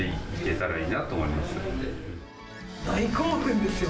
大興奮ですよ